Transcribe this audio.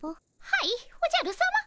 はいおじゃるさま。